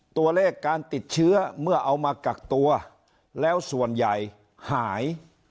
ตัวเลขการติดเชื้อเมื่อเอามากักตัวแล้วส่วนใหญ่หาย